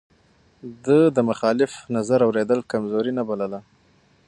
ده د مخالف نظر اورېدل کمزوري نه بلله.